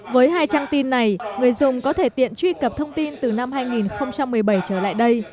với hai trang tin này người dùng có thể tiện truy cập thông tin từ năm hai nghìn một mươi bảy trở lại đây